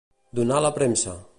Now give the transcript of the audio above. Donar a la premsa.